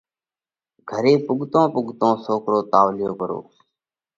گھري پُوڳتون پُوڳتون سوڪرو تاوَليو پرو،